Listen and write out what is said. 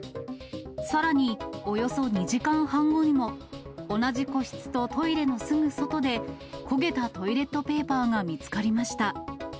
さらに、およそ２時間半後にも、同じ個室とトイレのすぐ外で、焦げたトイレットペーパーが見つかりました。